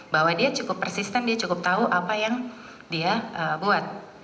bahwa dia cukup persisten dia cukup tahu apa yang dia buat